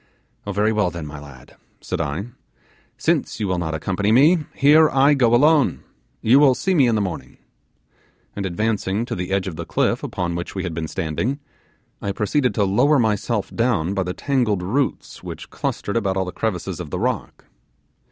'Oh, very well then, my lad,' said I, 'since you will not accompany me, here I go alone. You will see me in the morning;' and advancing to the edge of the cliff upon which we had been standing, I proceeded to lower myself down by the tangled roots which clustered about all the crevices of the rock.